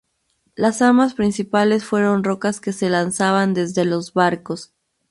Las armas principales fueron rocas que se lanzaban desde los barcos.